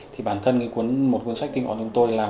thì bản thân một cuốn sách tinh gọn của tôi là